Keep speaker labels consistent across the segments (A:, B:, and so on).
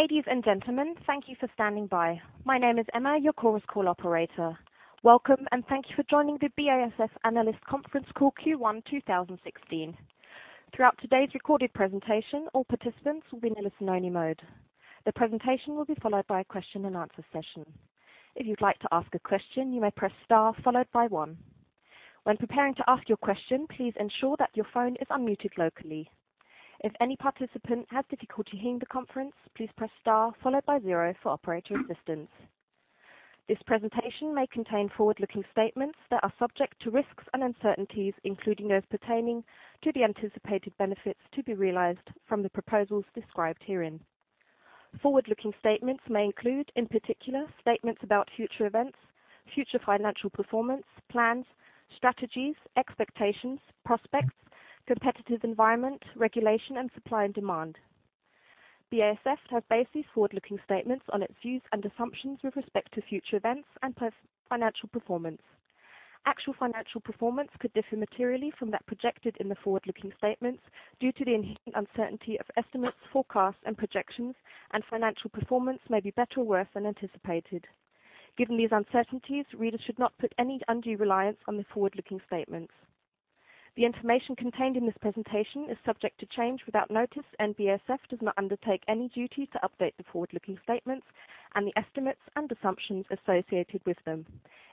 A: Ladies and gentlemen, thank you for standing by. My name is Emma, your Chorus Call operator. Welcome, and thank you for joining the BASF Analyst Conference Call Q1 2016. Throughout today's recorded presentation, all participants will be in a listen-only mode. The presentation will be followed by a question-and-answer session. If you'd like to ask a question, you may press star followed by one. When preparing to ask your question, please ensure that your phone is unmuted locally. If any participant has difficulty hearing the conference, please press star followed by zero for operator assistance. This presentation may contain forward-looking statements that are subject to risks and uncertainties, including those pertaining to the anticipated benefits to be realized from the proposals described herein. Forward-looking statements may include, in particular, statements about future events, future financial performance, plans, strategies, expectations, prospects, competitive environment, regulation, and supply and demand. BASF has based these forward-looking statements on its views and assumptions with respect to future events and financial performance. Actual financial performance could differ materially from that projected in the forward-looking statements due to the inherent uncertainty of estimates, forecasts, and projections, and financial performance may be better or worse than anticipated. Given these uncertainties, readers should not put any undue reliance on the forward-looking statements. The information contained in this presentation is subject to change without notice and BASF does not undertake any duty to update the forward-looking statements and the estimates and assumptions associated with them,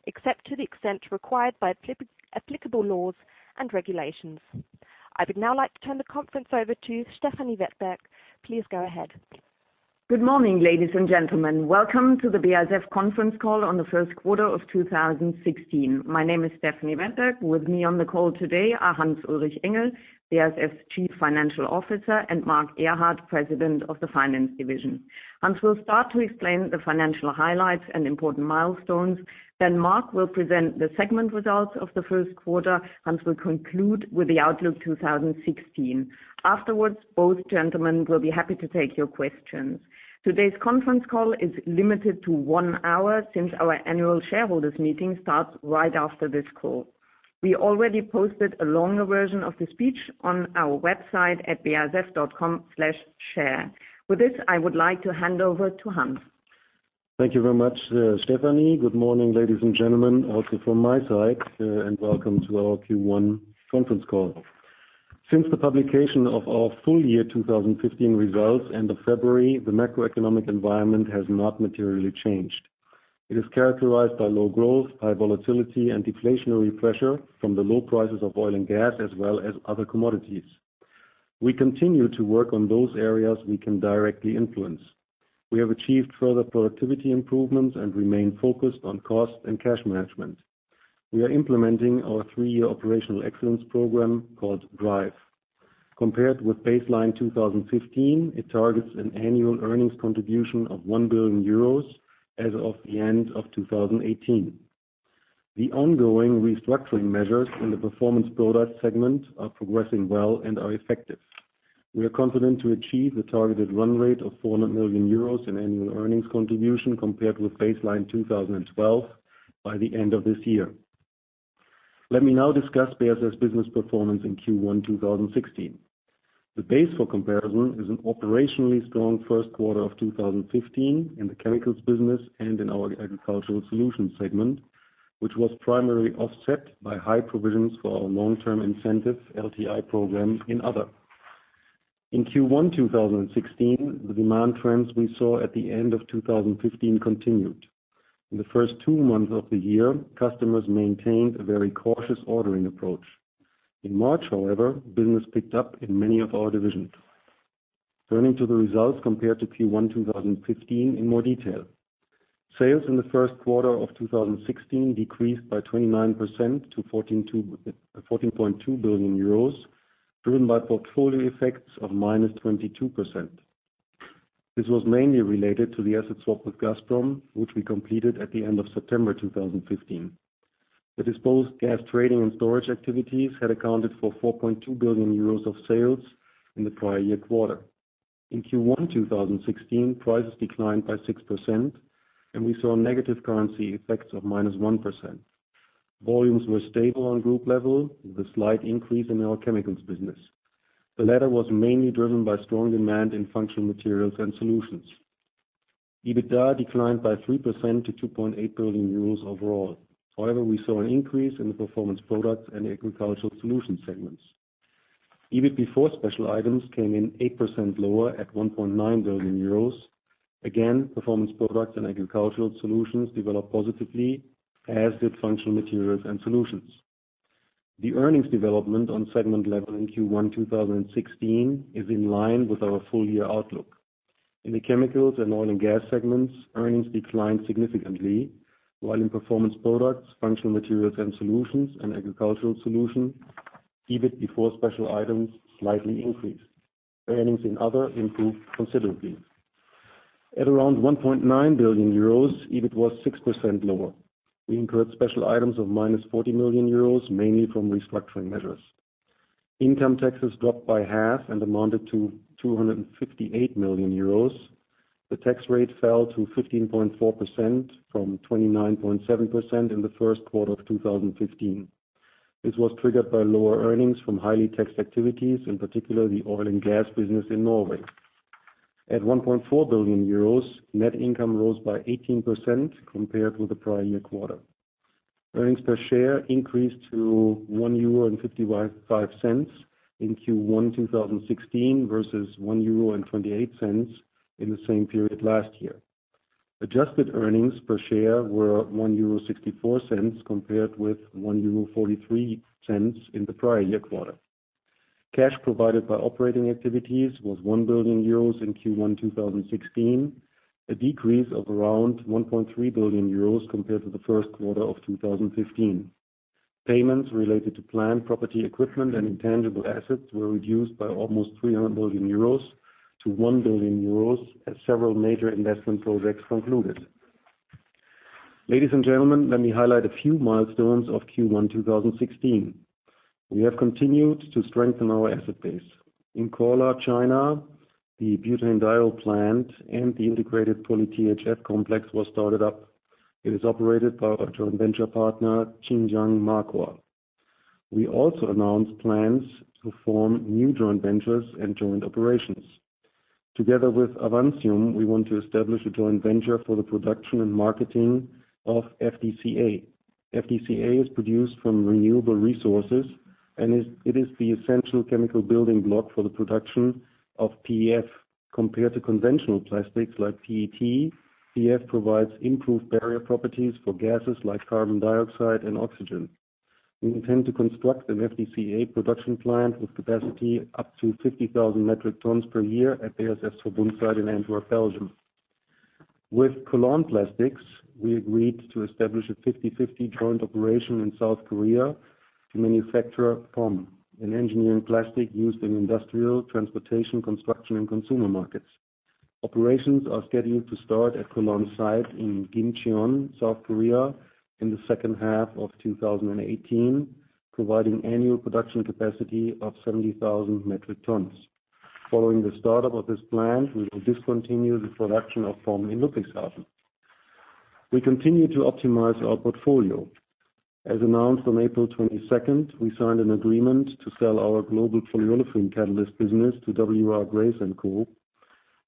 A: except to the extent required by applicable laws and regulations. I would now like to turn the conference over to Stefanie Wettberg. Please go ahead.
B: Good morning, ladies and gentlemen. Welcome to the BASF conference call on the first quarter of 2016. My name is Stefanie Wettberg. With me on the call today are Hans-Ulrich Engel, BASF's Chief Financial Officer, and Marc Ehrhardt, President of the Finance Division. Hans will start to explain the financial highlights and important milestones. Then Marc will present the segment results of the first quarter. Hans will conclude with the outlook 2016. Afterwards, both gentlemen will be happy to take your questions. Today's conference call is limited to one hour since our annual shareholders meeting starts right after this call. We already posted a longer version of the speech on our website at basf.com/share. With this, I would like to hand over to Hans.
C: Thank you very much, Stefanie. Good morning, ladies and gentlemen, also from my side and welcome to our Q1 conference call. Since the publication of our full year 2015 results end of February, the macroeconomic environment has not materially changed. It is characterized by low growth, high volatility, and deflationary pressure from the low prices of oil and gas as well as other commodities. We continue to work on those areas we can directly influence. We have achieved further productivity improvements and remain focused on cost and cash management. We are implementing our three-year operational excellence program called DRIVE. Compared with baseline 2015, it targets an annual earnings contribution of 1 billion euros as of the end of 2018. The ongoing restructuring measures in the Performance Products segment are progressing well and are effective. We are confident to achieve the targeted run rate of 400 million euros in annual earnings contribution compared with baseline 2012 by the end of this year. Let me now discuss BASF business performance in Q1 2016. The base for comparison is an operationally strong first quarter of 2015 in the chemicals business and in our Agricultural Solutions segment, which was primarily offset by high provisions for our long-term incentive LTI program in other. In Q1 2016, the demand trends we saw at the end of 2015 continued. In the first two months of the year, customers maintained a very cautious ordering approach. In March, however, business picked up in many of our divisions. Turning to the results compared to Q1 2015 in more detail. Sales in the first quarter of 2016 decreased by 29% to 14.2 billion euros, driven by portfolio effects of -22%. This was mainly related to the asset swap with Gazprom, which we completed at the end of September 2015. The disposed gas trading and storage activities had accounted for 4.2 billion euros of sales in the prior year quarter. In Q1 2016, prices declined by 6%, and we saw negative currency effects of -1%. Volumes were stable on group level with a slight increase in our chemicals business. The latter was mainly driven by strong demand in Functional Materials & Solutions. EBITDA declined by 3% to 2.8 billion euros overall. However, we saw an increase in the Performance Products and Agricultural Solutions segments. EBIT before special items came in 8% lower at 1.9 billion euros. Performance Products and Agricultural Solutions developed positively, as did Functional Materials & Solutions. The earnings development on segment level in Q1 2016 is in line with our full year outlook. In the Chemicals and Oil & Gas segments, earnings declined significantly, while in Performance Products, Functional Materials & Solutions, and Agricultural Solutions, EBIT before special items slightly increased. Earnings in Other improved considerably. At around 1.9 billion euros, EBIT was 6% lower. We incurred special items of -40 million euros, mainly from restructuring measures. Income taxes dropped by half and amounted to 258 million euros. The tax rate fell to 15.4% from 29.7% in the first quarter of 2015. This was triggered by lower earnings from highly taxed activities, in particular the oil and gas business in Norway. At 1.4 billion euros, net income rose by 18% compared with the prior year quarter. Earnings per share increased to 1.55 euro in Q1 2016 versus 1.28 euro in the same period last year. Adjusted earnings per share were 1.64 euro compared with 1.43 euro in the prior year quarter. Cash provided by operating activities was 1 billion euros in Q1 2016, a decrease of around 1.3 billion euros compared to the first quarter of 2015. Payments related to plant, property, equipment, and intangible assets were reduced by almost 300 million euros to 1 billion euros as several major investment projects concluded. Ladies and gentlemen, let me highlight a few milestones of Q1 2016. We have continued to strengthen our asset base. In Korla, China, the butanediol plant and the integrated PolyTHF complex was started up. It is operated by our joint venture partner, Xinjiang Markor. We also announced plans to form new joint ventures and joint operations. Together with Avantium, we want to establish a joint venture for the production and marketing of FDCA. FDCA is produced from renewable resources and is the essential chemical building block for the production of PEF. Compared to conventional plastics like PET, PEF provides improved barrier properties for gases like carbon dioxide and oxygen. We intend to construct an FDCA production plant with capacity up to 50,000 metric tons per year at BASF's Verbund site in Antwerp, Belgium. With Kolon Plastics, we agreed to establish a 50/50 joint operation in South Korea to manufacture POM, an engineering plastic used in industrial transportation, construction, and consumer markets. Operations are scheduled to start at Kolon's site in Gimcheon, South Korea, in the second half of 2018, providing annual production capacity of 70,000 metric tons. Following the start-up of this plant, we will discontinue the production of POM in Ludwigshafen. We continue to optimize our portfolio. As announced on April 22nd, we signed an agreement to sell our global polyolefin catalyst business to W.R. Grace & Co.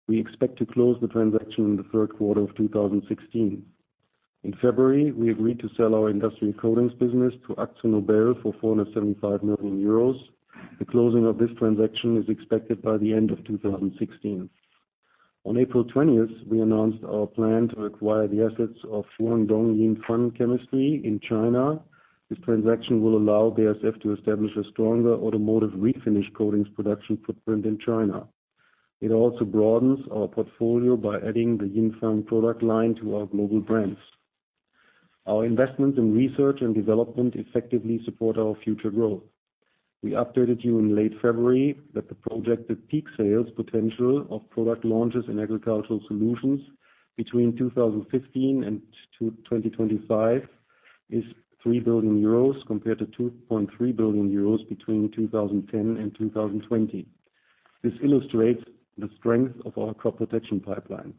C: We expect to close the transaction in the third quarter of 2016. In February, we agreed to sell our Industrial Coatings business to AkzoNobel for 475 million euros. The closing of this transaction is expected by the end of 2016. On April 20th, we announced our plan to acquire the assets of Guangdong Yinfan Chemistry in China. This transaction will allow BASF to establish a stronger automotive refinish coatings production footprint in China. It also broadens our portfolio by adding the Yinfan product line to our global brands. Our investments in research and development effectively support our future growth. We updated you in late February that the projected peak sales potential of product launches in Agricultural Solutions between 2015 and 2025 is 3 billion euros compared to 2.3 billion euros between 2010 and 2020. This illustrates the strength of our crop protection pipeline.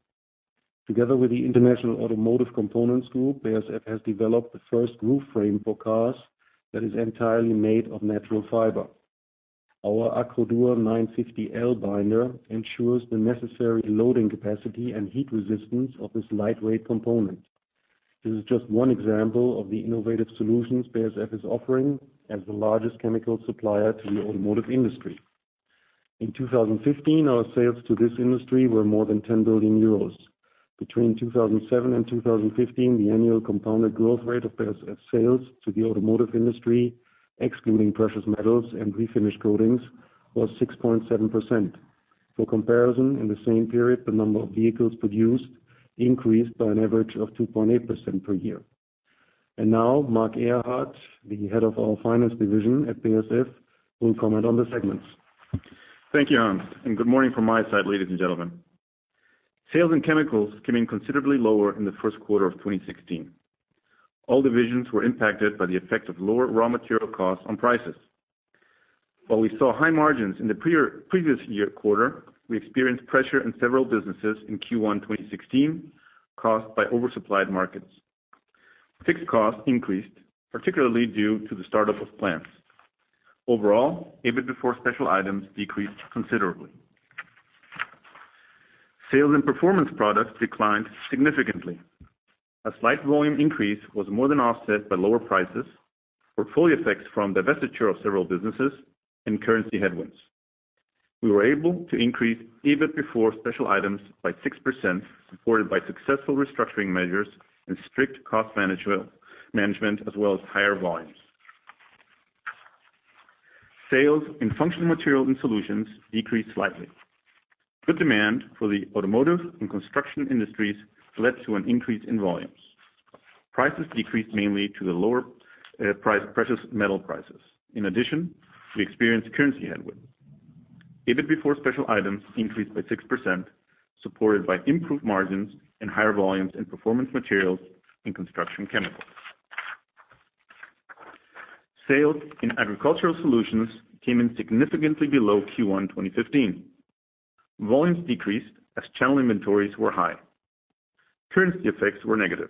C: Together with the International Automotive Components Group, BASF has developed the first roof frame for cars that is entirely made of natural fiber. Our Acrodur 950 L binder ensures the necessary loading capacity and heat resistance of this lightweight component. This is just one example of the innovative solutions BASF is offering as the largest chemical supplier to the automotive industry. In 2015, our sales to this industry were more than 10 billion euros. Between 2007 and 2015, the annual compounded growth rate of BASF sales to the automotive industry, excluding precious metals and refinish coatings was 6.7%. For comparison, in the same period, the number of vehicles produced increased by an average of 2.8% per year. Now, Marc Ehrhardt, the head of our finance division at BASF, will comment on the segments.
D: Thank you, Hans, and good morning from my side, ladies and gentlemen. Sales in Chemicals came in considerably lower in the first quarter of 2016. All divisions were impacted by the effect of lower raw material costs on prices. While we saw high margins in the previous year quarter, we experienced pressure in several businesses in Q1 2016 caused by oversupplied markets. Fixed costs increased, particularly due to the start-up of plants. Overall, EBIT before special items decreased considerably. Sales in Performance Products declined significantly. A slight volume increase was more than offset by lower prices, portfolio effects from divestiture of several businesses and currency headwinds. We were able to increase EBIT before special items by 6%, supported by successful restructuring measures and strict cost management as well as higher volumes. Sales in Functional Materials and Solutions decreased slightly. Good demand for the automotive and construction industries led to an increase in volumes. Prices decreased mainly to the lower precious metal prices. In addition, we experienced currency headwinds. EBIT before special items increased by 6%, supported by improved margins and higher volumes in Performance Materials and Construction Chemicals. Sales in Agricultural Solutions came in significantly below Q1 2015. Volumes decreased as channel inventories were high. Currency effects were negative.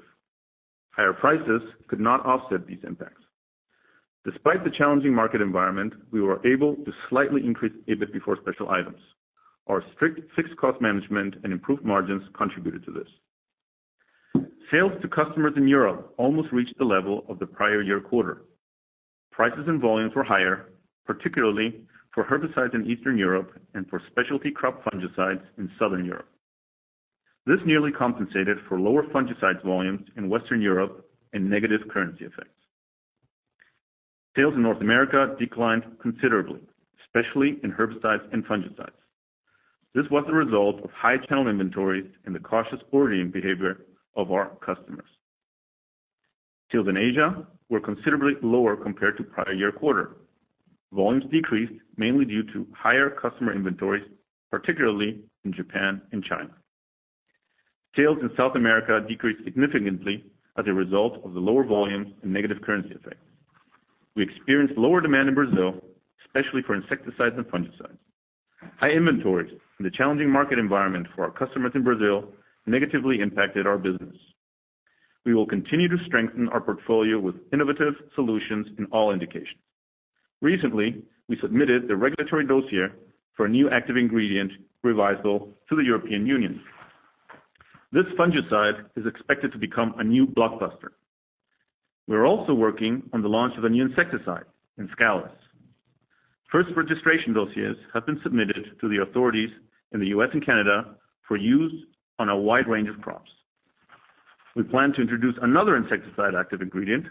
D: Higher prices could not offset these impacts. Despite the challenging market environment, we were able to slightly increase EBIT before special items. Our strict fixed cost management and improved margins contributed to this. Sales to customers in Europe almost reached the level of the prior year quarter. Prices and volumes were higher, particularly for herbicides in Eastern Europe and for specialty crop fungicides in Southern Europe. This nearly compensated for lower fungicides volumes in Western Europe and negative currency effects. Sales in North America declined considerably, especially in herbicides and fungicides. This was the result of high channel inventories and the cautious ordering behavior of our customers. Sales in Asia were considerably lower compared to prior-year quarter. Volumes decreased mainly due to higher customer inventories, particularly in Japan and China. Sales in South America decreased significantly as a result of the lower volumes and negative currency effects. We experienced lower demand in Brazil, especially for insecticides and fungicides. High inventories and the challenging market environment for our customers in Brazil negatively impacted our business. We will continue to strengthen our portfolio with innovative solutions in all indications. Recently, we submitted the regulatory dossier for a new active ingredient, Revysol, to the European Union. This fungicide is expected to become a new blockbuster. We're also working on the launch of a new insecticide, Inscalis. First registration dossiers have been submitted to the authorities in the U.S. and Canada for use on a wide range of crops. We plan to introduce another insecticide active ingredient,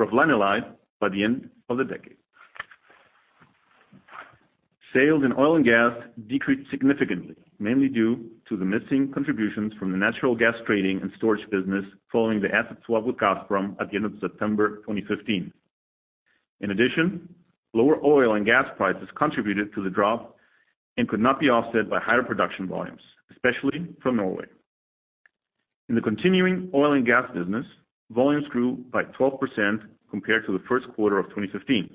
D: Broflanilide, by the end of the decade. Sales in oil and gas decreased significantly, mainly due to the missing contributions from the natural gas trading and storage business following the asset swap with Gazprom at the end of September 2015. In addition, lower oil and gas prices contributed to the drop and could not be offset by higher production volumes, especially from Norway. In the continuing oil and gas business, volumes grew by 12% compared to the first quarter of 2015,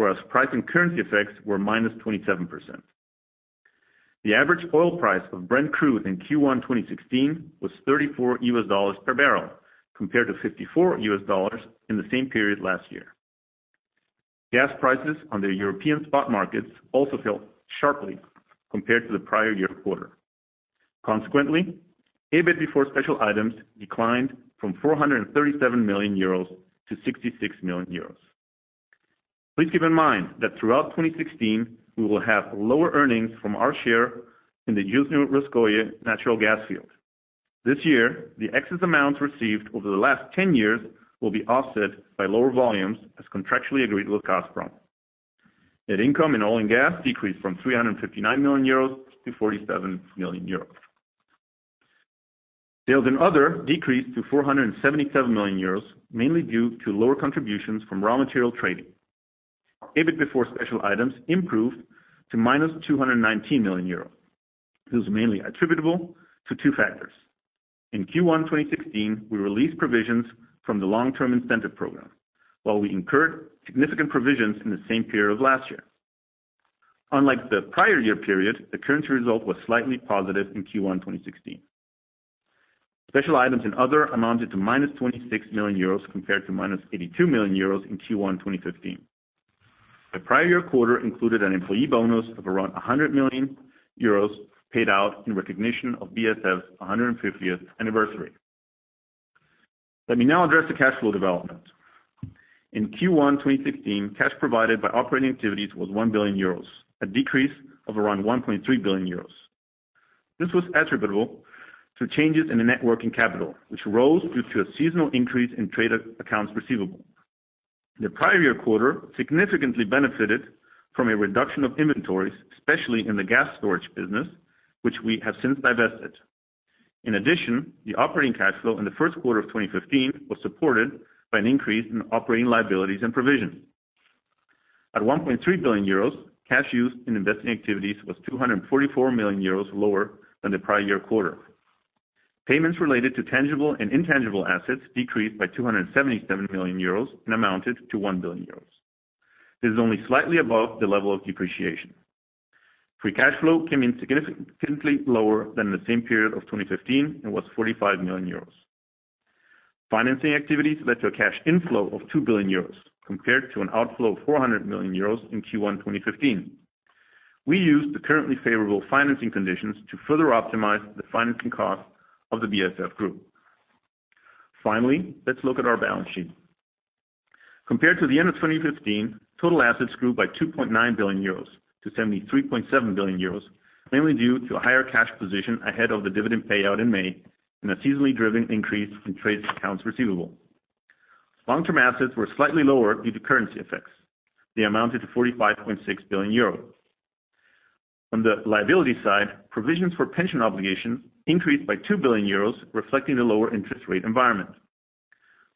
D: whereas price and currency effects were -27%. The average oil price of Brent Crude in Q1 2016 was $34 per barrel, compared to $54 in the same period last year. Gas prices on the European spot markets also fell sharply compared to the prior year quarter. Consequently, EBIT before special items declined from 437 million euros to 66 million euros. Please keep in mind that throughout 2016, we will have lower earnings from our share in the Yuzhno-Russkoye natural gas field. This year, the excess amounts received over the last 10 years will be offset by lower volumes as contractually agreed with Gazprom. Net income in oil and gas decreased from 359 million euros to 47 million euros. Sales in Other decreased to 477 million euros, mainly due to lower contributions from raw material trading. EBIT before special items improved to -219 million euro. This is mainly attributable to two factors. In Q1 2016, we released provisions from the long-term incentive program, while we incurred significant provisions in the same period of last year. Unlike the prior year period, the currency result was slightly positive in Q1 2016. Special items in other amounted to -26 million euros compared to -82 million euros in Q1 2015. The prior year quarter included an employee bonus of around 100 million euros paid out in recognition of BASF's 150th anniversary. Let me now address the cash flow development. In Q1 2016, cash provided by operating activities was 1 billion euros, a decrease of around 1.3 billion euros. This was attributable to changes in the net working capital, which rose due to a seasonal increase in trade accounts receivable. The prior year quarter significantly benefited from a reduction of inventories, especially in the gas storage business, which we have since divested. In addition, the operating cash flow in the first quarter of 2015 was supported by an increase in operating liabilities and provision. At 1.3 billion euros, cash used in investing activities was 244 million euros lower than the prior year quarter. Payments related to tangible and intangible assets decreased by 277 million euros and amounted to 1 billion euros. This is only slightly above the level of depreciation. Free cash flow came in significantly lower than the same period of 2015 and was 45 million euros. Financing activities led to a cash inflow of 2 billion euros compared to an outflow of 400 million euros in Q1 2015. We used the currently favorable financing conditions to further optimize the financing cost of the BASF Group. Finally, let's look at our balance sheet. Compared to the end of 2015, total assets grew by 2.9 billion euros to 73.7 billion euros, mainly due to a higher cash position ahead of the dividend payout in May and a seasonally driven increase in trade accounts receivable. Long-term assets were slightly lower due to currency effects. They amounted to 45.6 billion euros. On the liability side, provisions for pension obligations increased by 2 billion euros, reflecting the lower interest rate environment.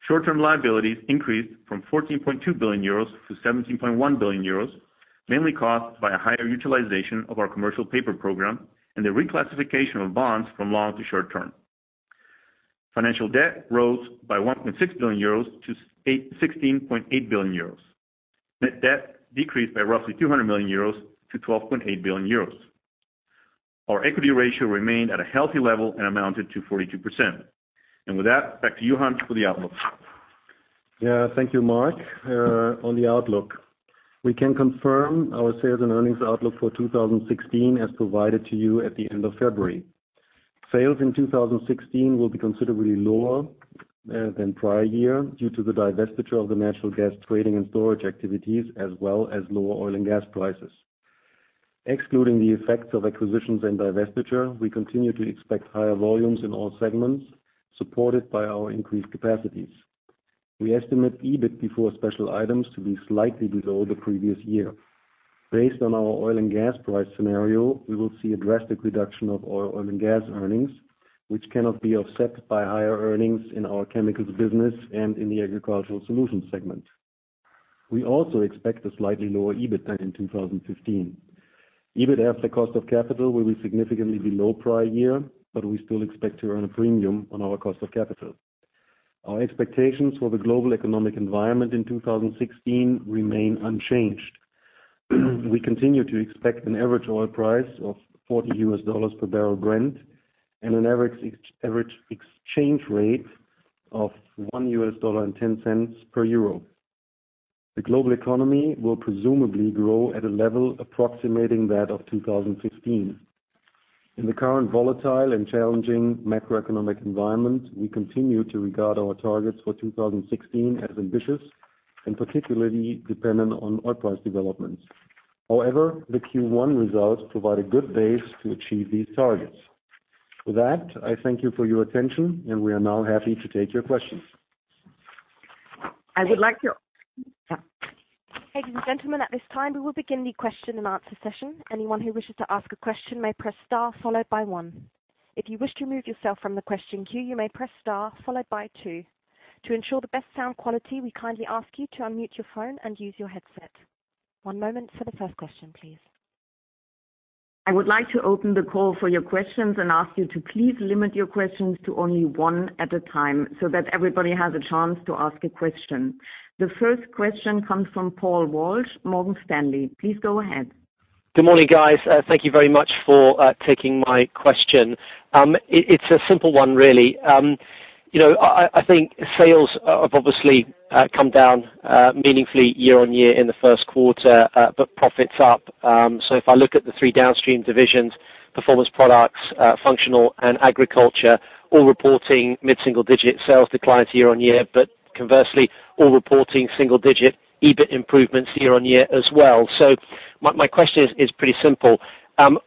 D: Short-term liabilities increased from 14.2 billion euros to 17.1 billion euros, mainly caused by a higher utilization of our commercial paper program and the reclassification of bonds from long to short-term. Financial debt rose by 1.6 billion euros to 16.8 billion euros. Net debt decreased by roughly 200 million euros to 12.8 billion euros. Our equity ratio remained at a healthy level and amounted to 42%. With that, back to you, Hans, for the outlook.
C: Yeah, thank you, Marc. On the outlook, we can confirm our sales and earnings outlook for 2016 as provided to you at the end of February. Sales in 2016 will be considerably lower than prior year due to the divestiture of the natural gas trading and storage activities, as well as lower oil and gas prices. Excluding the effects of acquisitions and divestiture, we continue to expect higher volumes in all segments, supported by our increased capacities. We estimate EBIT before special items to be slightly below the previous year. Based on our oil and gas price scenario, we will see a drastic reduction of oil and gas earnings, which cannot be offset by higher earnings in our chemicals business and in the Agricultural Solutions segment. We also expect a slightly lower EBIT than in 2015. EBIT after cost of capital will be significantly below prior year, but we still expect to earn a premium on our cost of capital. Our expectations for the global economic environment in 2016 remain unchanged. We continue to expect an average oil price of $40 per barrel Brent and an average exchange rate of $1.10 per euro. The global economy will presumably grow at a level approximating that of 2016. In the current volatile and challenging macroeconomic environment, we continue to regard our targets for 2016 as ambitious and particularly dependent on oil price developments. However, the Q1 results provide a good base to achieve these targets. With that, I thank you for your attention, and we are now happy to take your questions.
B: I would like to-
A: Ladies and gentlemen, at this time, we will begin the question and answer session. Anyone who wishes to ask a question may press star followed by one. If you wish to remove yourself from the question queue, you may press star followed by two. To ensure the best sound quality, we kindly ask you to unmute your phone and use your headset. One moment for the first question, please.
B: I would like to open the call for your questions and ask you to please limit your questions to only one at a time so that everybody has a chance to ask a question. The first question comes from Paul Walsh, Morgan Stanley. Please go ahead.
E: Good morning, guys. Thank you very much for taking my question. It's a simple one, really. You know, I think sales have obviously come down meaningfully year-on-year in the first quarter, but profits up. If I look at the three downstream divisions, Performance Products, Functional Materials & Solutions, and Agricultural Solutions, all reporting mid-single-digit sales declines year-on-year, but conversely, all reporting single-digit EBIT improvements year-on-year as well. My question is pretty simple.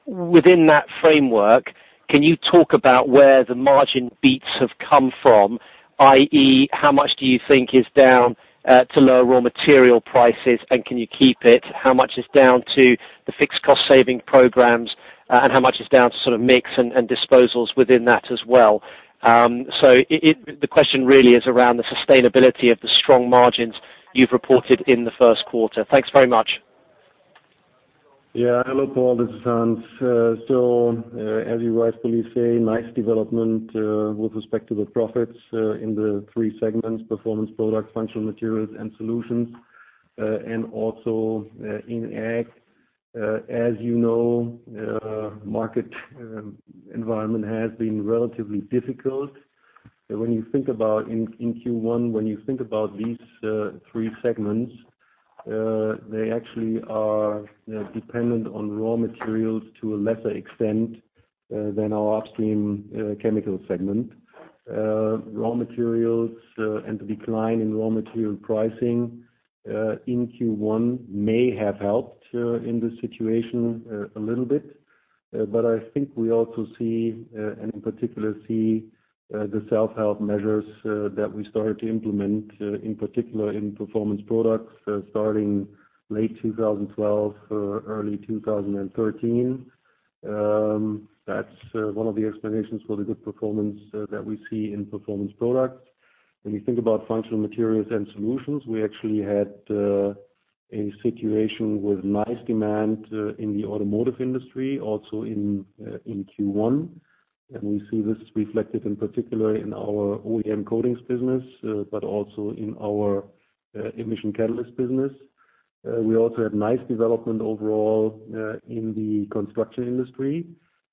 E: Within that framework, can you talk about where the margin beats have come from, i.e., how much do you think is down to lower raw material prices, and can you keep it? How much is down to the fixed cost saving programs, and how much is down to sort of mix and disposals within that as well? The question really is around the sustainability of the strong margins you've reported in the first quarter. Thanks very much.
C: Yeah. Hello, Paul. This is Hans. As you rightfully say, nice development with respect to the profits in the three segments, Performance Products, Functional Materials & Solutions, and also in Ag. As you know, market environment has been relatively difficult. When you think about in Q1, when you think about these three segments, they actually are, you know, dependent on raw materials to a lesser extent than our upstream chemical segment. Raw materials and the decline in raw material pricing in Q1 may have helped in this situation a little bit. I think we also see in particular the self-help measures that we started to implement in particular in Performance Products starting late 2012 early 2013. That's one of the explanations for the good performance that we see in Performance Products. When you think about Functional Materials & Solutions, we actually had a situation with nice demand in the automotive industry, also in Q1. We see this reflected in particular in our OEM coatings business, but also in our emission catalyst business. We also had nice development overall in the construction industry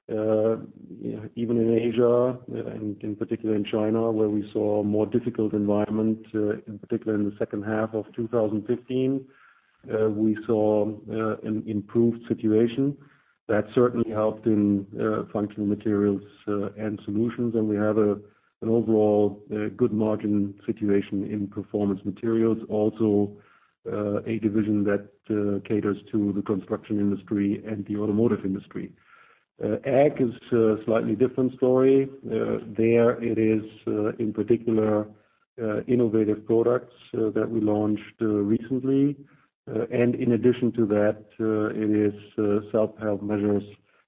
C: even in Asia, and in particular in China, where we saw a more difficult environment in particular in the second half of 2015. We saw an improved situation. That certainly helped in Functional Materials & Solutions. We have an overall good margin situation in Performance Materials, also a division that caters to the construction industry and the automotive industry. AG is a slightly different story. There it is in particular innovative products that we launched recently. In addition to that, it is self-help measures,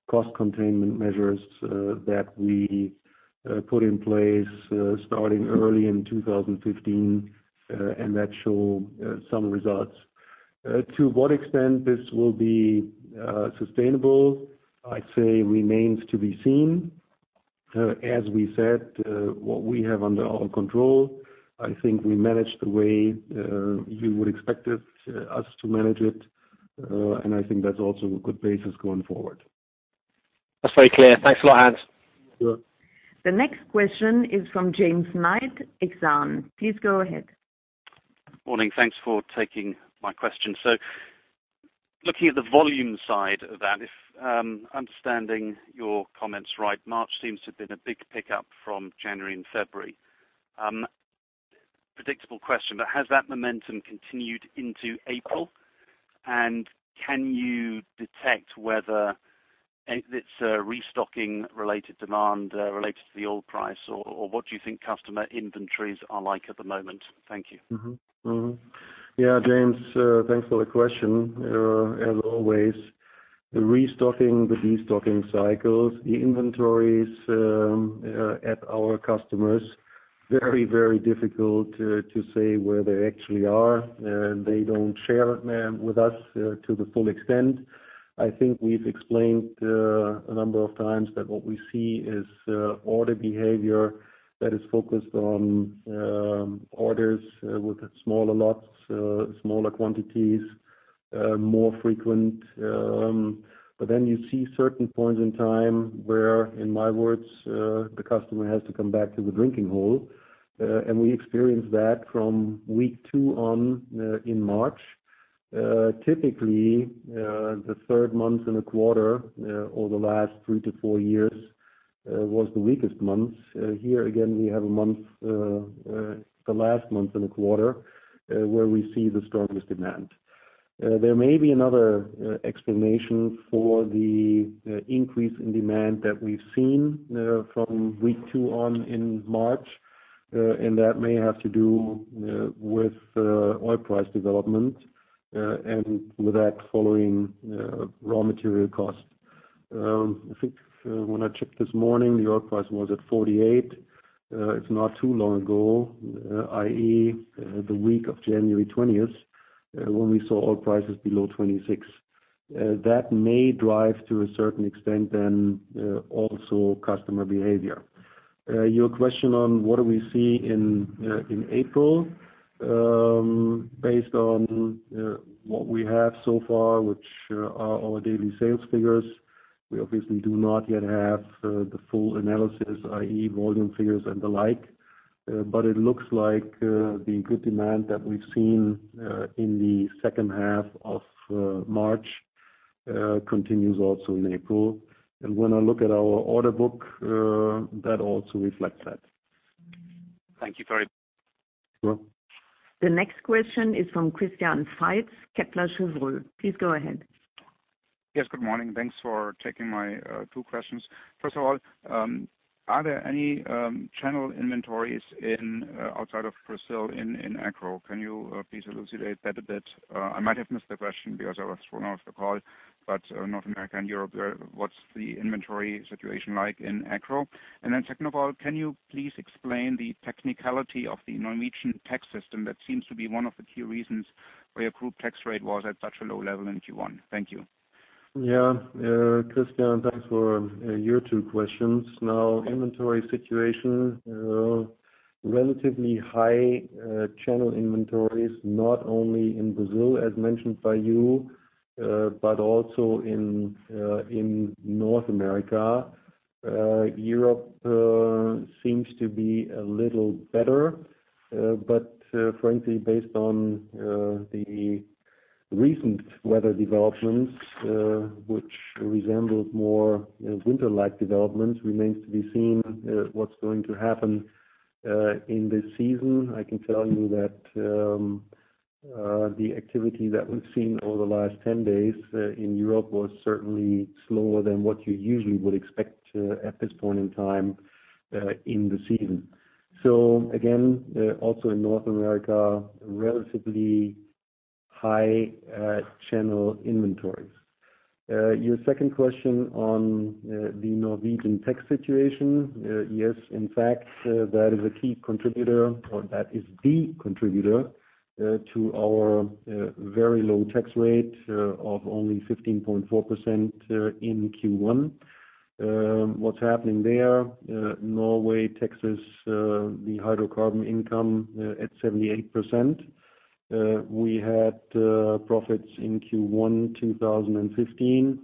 C: cost containment measures that we put in place starting early in 2015 and that show some results. To what extent this will be sustainable, I'd say remains to be seen. As we said, what we have under our control, I think we managed the way you would expect us to manage it. I think that's also a good basis going forward.
F: That's very clear. Thanks a lot, Hans.
C: Sure.
B: The next question is from James Knight, Exane. Please go ahead.
G: Morning. Thanks for taking my question. Looking at the volume side of that, if I'm understanding your comments right, March seems to have been a big pickup from January and February. Predictable question, but has that momentum continued into April? Can you detect whether it's a restocking related demand related to the oil price? Or what do you think customer inventories are like at the moment? Thank you.
C: Yeah, James, thanks for the question. As always, the restocking, the destocking cycles, the inventories at our customers are very difficult to say where they actually are. They don't share them with us to the full extent. I think we've explained a number of times that what we see is order behavior that is focused on orders with smaller lots, smaller quantities, more frequent. But then you see certain points in time where, in my words, the customer has to come back to the drinking hole. We experienced that from week two on in March. Typically, the third month in a quarter over the last three-four years was the weakest month. Here again, we have a month, the last month in the quarter, where we see the strongest demand. There may be another explanation for the increase in demand that we've seen from week two on in March and that may have to do with oil price development and with that following raw material costs. I think when I checked this morning, the oil price was at $48. It's not too long ago, i.e., the week of January 20th, when we saw oil prices below $26. That may drive to a certain extent then also customer behavior. Your question on what do we see in April. Based on what we have so far, which are our daily sales figures, we obviously do not yet have the full analysis, i.e., volume figures and the like. It looks like the good demand that we've seen in the second half of March continues also in April. When I look at our order book, that also reflects that.
G: Thank you very.
C: Sure.
B: The next question is from Christian Faitz, Kepler Cheuvreux. Please go ahead.
H: Yes, good morning. Thanks for taking my two questions. First of all, are there any channel inventories outside of Brazil in Agro? Can you please elucidate that a bit? I might have missed the question because I was thrown off the call, but North America and Europe, what's the inventory situation like in Agro? And then second of all, can you please explain the technicality of the Norwegian tax system? That seems to be one of the key reasons why your group tax rate was at such a low level in Q1. Thank you.
C: Yeah, Christian, thanks for your two questions. Now, inventory situation, relatively high, channel inventories, not only in Brazil, as mentioned by you, but also in North America. Europe seems to be a little better, but frankly, based on the recent weather developments, which resembled more, you know, winter-like developments, remains to be seen what's going to happen in this season. I can tell you that the activity that we've seen over the last 10 days in Europe was certainly slower than what you usually would expect at this point in time in the season. Again, also in North America, relatively high channel inventories. Your second question on the Norwegian tax situation. Yes. In fact, that is a key contributor or that is the contributor to our very low tax rate of only 15.4% in Q1. What's happening there, Norway taxes the hydrocarbon income at 78%. We had profits in Q1 2015.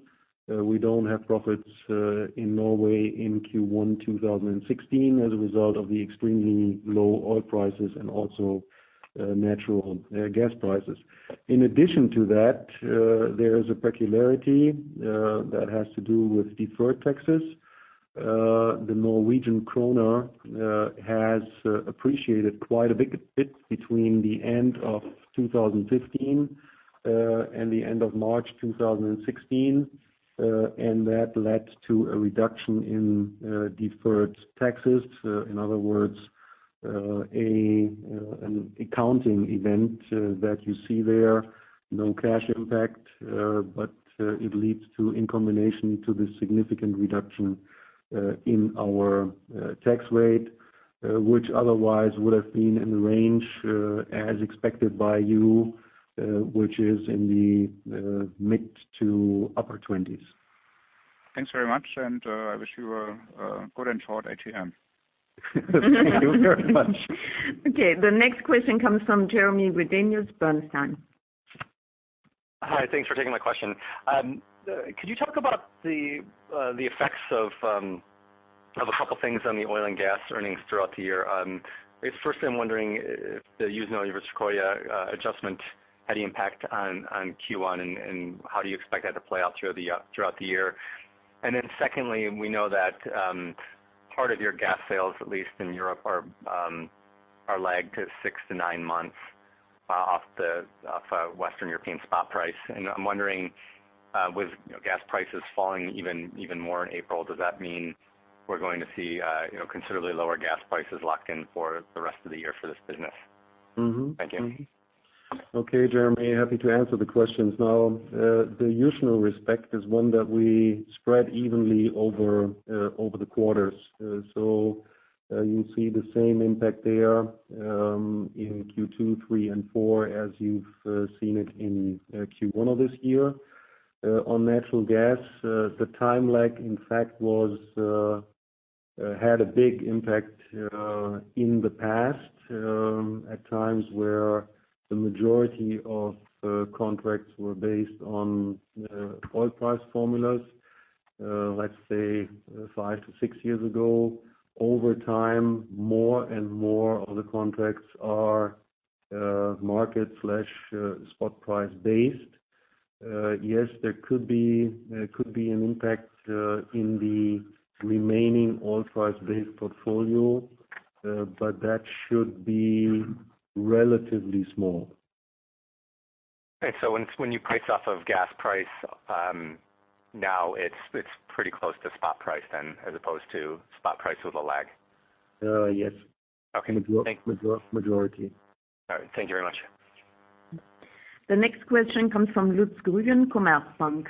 C: We don't have profits in Norway in Q1 2016 as a result of the extremely low oil prices and also natural gas prices. In addition to that, there is a peculiarity that has to do with deferred taxes. The Norwegian kroner has appreciated quite a bit between the end of 2015 and the end of March 2016, and that led to a reduction in deferred taxes. In other words, an accounting event that you see there, no cash impact, but it leads to, in combination to the significant reduction in our tax rate, which otherwise would have been in the range, as expected by you, which is in the mid to upper 20s.
H: Thanks very much, and I wish you a good and short AGM.
C: Thank you very much.
B: Okay. The next question comes from Jeremy Redenius, Bernstein.
I: Hi. Thanks for taking my question. Could you talk about the effects of a couple things on the oil and gas earnings throughout the year? First, I'm wondering if the usual Sequoia adjustment had an impact on Q1, and how do you expect that to play out throughout the year? Then secondly, we know that part of your gas sales, at least in Europe, are lagged to six to nine months off the Western European spot price. I'm wondering, with you know gas prices falling even more in April, does that mean we're going to see you know considerably lower gas prices locked in for the rest of the year for this business?
C: Mm-hmm.
I: Thank you.
C: Okay, Jeremy. Happy to answer the questions. Now, the usual depreciation is one that we spread evenly over the quarters. You see the same impact there in Q2, Q3 and Q4 as you've seen it in Q1 of this year. On natural gas, the time lag, in fact, had a big impact in the past at times where the majority of contracts were based on oil price formulas, let's say five to six years ago. Over time, more and more of the contracts are market spot price based. Yes, there could be an impact in the remaining oil price-based portfolio, but that should be relatively small.
I: Okay. When you price off of gas price, now it's pretty close to spot price then as opposed to spot price with a lag.
C: Yes.
I: Okay.
C: Majority.
I: All right. Thank you very much.
B: The next question comes from Lutz Grüten, Commerzbank.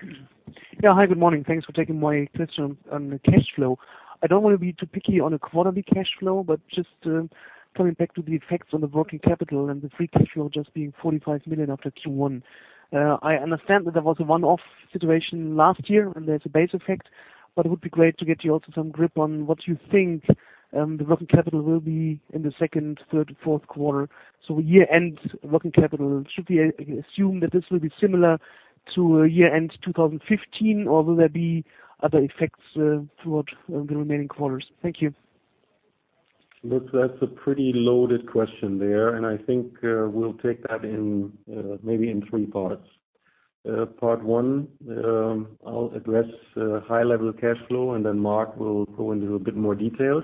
J: Yeah. Hi, good morning. Thanks for taking my question on the cash flow. I don't wanna be too picky on a quarterly cash flow, but just coming back to the effects on the working capital and the free cash flow just being 45 million after Q1. I understand that there was a one-off situation last year, and there's a base effect, but it would be great to get you also some grip on what you think the working capital will be in the second, third, and fourth quarter. Year-end working capital, should we assume that this will be similar to year-end 2015, or will there be other effects throughout the remaining quarters? Thank you.
C: Lutz, that's a pretty loaded question there, and I think we'll take that in maybe in three parts. Part one, I'll address high level cash flow, and then Mark will go into a bit more details.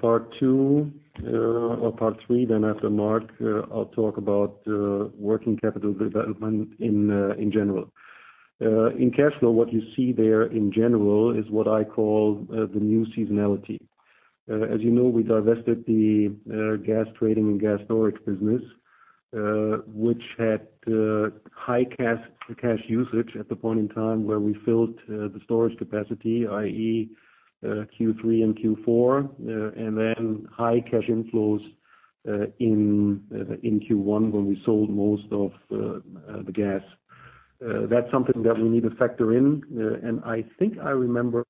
C: Part two, or part three, then after Mark, I'll talk about working capital development in general. In cash flow, what you see there in general is what I call the new seasonality. As you know, we divested the gas trading and gas storage business, which had high cash usage at the point in time where we filled the storage capacity, i.e., Q3 and Q4, and then high cash inflows in Q1 when we sold most of the gas. That's something that we need to factor in. I think I remember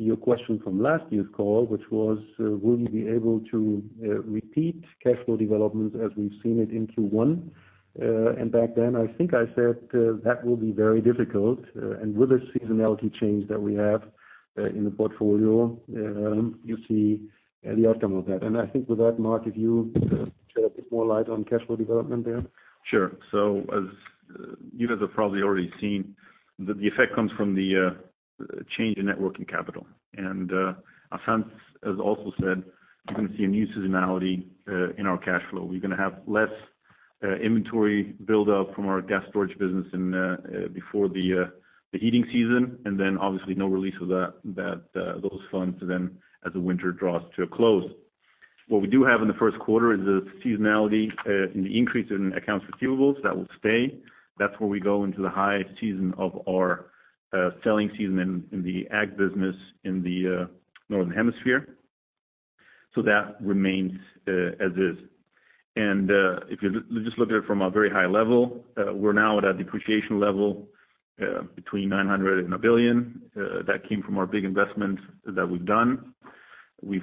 C: your question from last year's call, which was, "will you be able to repeat cash flow developments as we've seen it in Q1?". Back then, I think I said that will be very difficult, and with the seasonality change that we have in the portfolio, you see the outcome of that. I think with that, Marc, if you shed a bit more light on cash flow development there.
D: Sure. As you guys have probably already seen, the effect comes from the change in net working capital. As Hans has also said, you're gonna see a new seasonality in our cash flow. We're gonna have less inventory build-up from our gas storage business in before the heating season and then obviously no release of that those funds then as the winter draws to a close. What we do have in the first quarter is a seasonality an increase in accounts receivables that will stay. That's where we go into the high season of our selling season in the ag business in the Northern Hemisphere. That remains as is. If you just look at it from a very high level, we're now at a depreciation level between 900 million and 1 billion. That came from our big investments that we've done. We've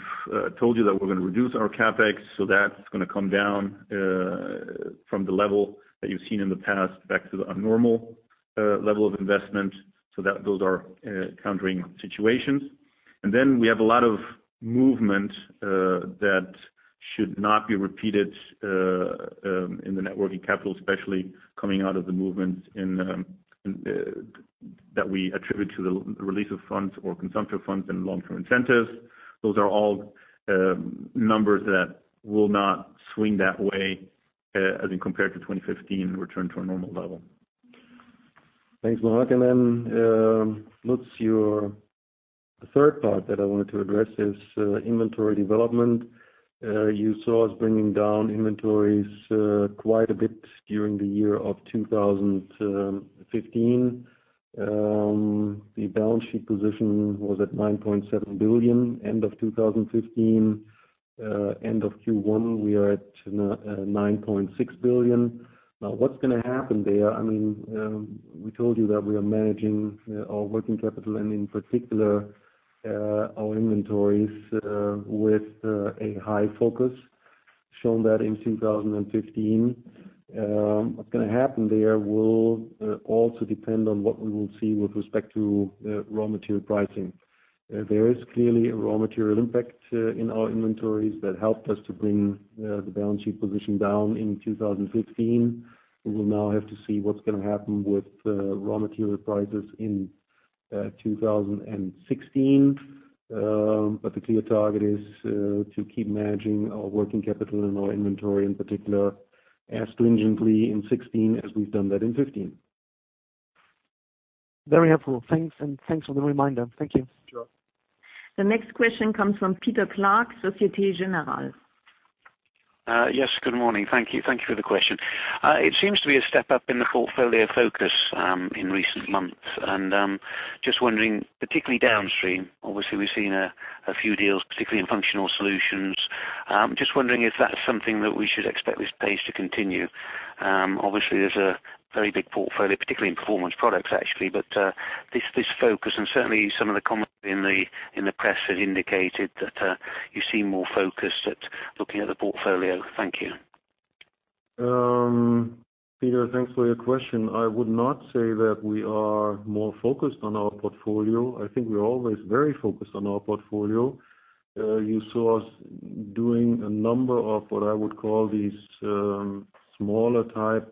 D: told you that we're gonna reduce our CapEx, so that's gonna come down from the level that you've seen in the past back to a normal level of investment. Those are countering situations. We have a lot of movement that should not be repeated in the net working capital, especially coming out of the movements in that we attribute to the release of funds or consumption of funds and long-term incentives. Those are all numbers that will not swing that way as in compared to 2015 return to a normal level.
C: Thanks, Marc. Lutz, your third part that I wanted to address is inventory development. You saw us bringing down inventories quite a bit during the year of 2015. The balance sheet position was at 9.7 billion, end of 2015. End of Q1 we are at 9.6 billion. Now what's gonna happen there, I mean, we told you that we are managing our working capital and in particular, our inventories with a high focus. Shown that in 2015. What's gonna happen there will also depend on what we will see with respect to raw material pricing. There is clearly a raw material impact in our inventories that helped us to bring the balance sheet position down in 2015. We will now have to see what's gonna happen with raw material prices in 2016. The clear target is to keep managing our working capital and our inventory in particular as stringently in 2016 as we've done that in 2015.
J: Very helpful. Thanks, and thanks for the reminder. Thank you.
C: Sure.
B: The next question comes from Peter Clark, Société Générale.
K: Yes, good morning. Thank you. Thank you for the question. It seems to be a step up in the portfolio focus, in recent months, and just wondering particularly downstream, obviously we've seen a few deals, particularly in Functional Materials & Solutions. Just wondering if that's something that we should expect this pace to continue. Obviously there's a very big portfolio, particularly in Performance Products actually, but this focus and certainly some of the comments in the press have indicated that you seem more focused at looking at the portfolio. Thank you.
C: Peter, thanks for your question. I would not say that we are more focused on our portfolio. I think we're always very focused on our portfolio. You saw us doing a number of what I would call these smaller type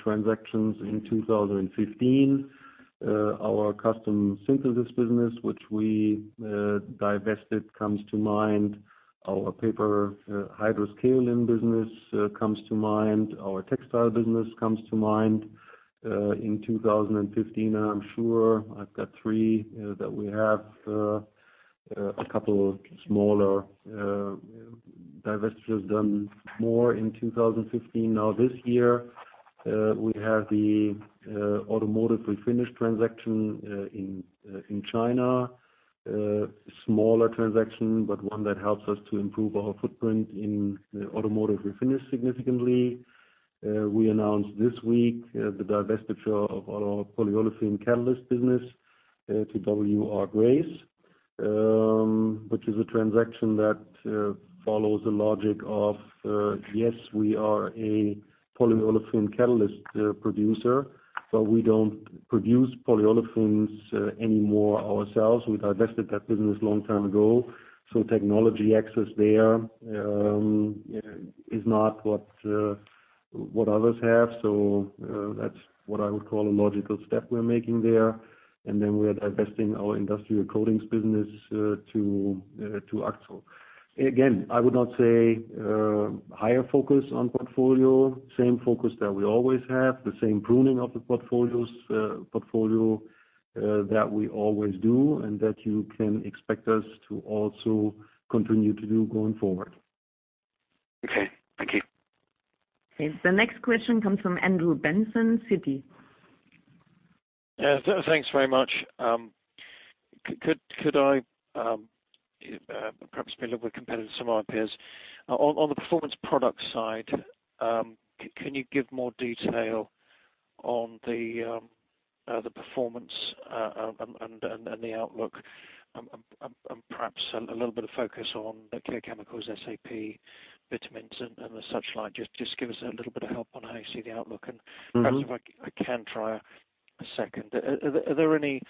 C: transactions in 2015. Our custom synthesis business, which we divested, comes to mind. Our paper hydrous kaolin business comes to mind. Our textile business comes to mind in 2015. I'm sure I've got three that we have a couple smaller divestitures done more in 2015. Now, this year, we have the automotive refinish transaction in China. Smaller transaction, but one that helps us to improve our footprint in automotive refinish significantly. We announced this week the divestiture of our polyolefin catalyst business to W.R. Grace, which is a transaction that follows the logic of yes, we are a polyolefin catalyst producer, but we don't produce polyolefins anymore ourselves. We divested that business long time ago, so technology access there is not what others have. That's what I would call a logical step we're making there. We're divesting our industrial coatings business to Akzo. Again, I would not say higher focus on portfolio, same focus that we always have, the same pruning of the portfolio that we always do and that you can expect us to also continue to do going forward.
K: Okay. Thank you.
B: Okay. The next question comes from Andrew Benson, Citi.
L: Yes. Thanks very much. Could I perhaps be a little bit competitive with some of our peers? On the Performance Products side, can you give more detail on the performance and the outlook and perhaps a little bit of focus on the Care Chemicals, SAP, vitamins and the such like, just give us a little bit of help on how you see the outlook?
C: Mm-hmm.
L: Perhaps if I can try a second. Are there any